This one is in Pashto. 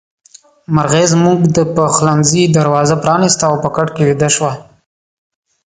مرغۍ زموږ د پخلنځي دروازه پرانيسته او په کټ کې ويده شوه.